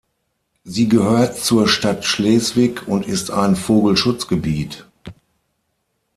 Sie gehört zur Stadt Schleswig und ist ein Vogelschutzgebiet.